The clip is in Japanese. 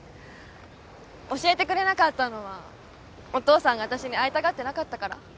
教えてくれなかったのはお父さんが私に会いたがってなかったから？